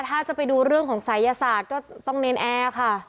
ถ้าจะไปดูเรื่องของศัยศาสตร์ก็ต้องเนรนแอร์ค่ะ